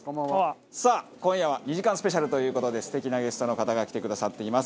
さあ今夜は２時間スペシャルという事で素敵なゲストの方が来てくださっています。